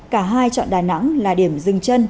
cả hai trọn đài nẵng là điểm dừng chân